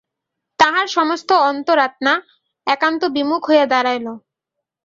তাহার সমস্ত অন্তরাত্মা একান্ত বিমুখ হইয়া দাঁড়াইল।